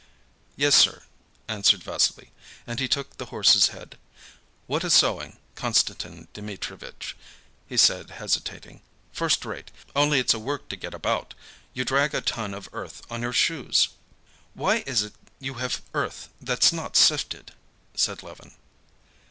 "Yes, sir," answered Vassily, and he took the horse's head. "What a sowing, Konstantin Dmitrievitch," he said, hesitating; "first rate. Only it's a work to get about! You drag a ton of earth on your shoes." "Why is it you have earth that's not sifted?" said Levin.